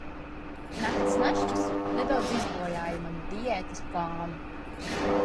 Nakts našķis nedaudz izbojāja manu diētas plānu.